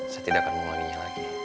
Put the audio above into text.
saya tidak akan mengulanginya lagi